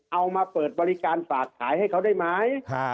เอามาเปิดบริการฝากขายให้เขาได้ไหม